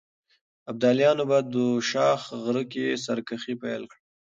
ابداليانو په دوشاخ غره کې سرکښي پيل کړه.